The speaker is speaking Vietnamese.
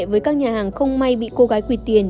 với các nhà hàng không may bị cô gái quỳt tiền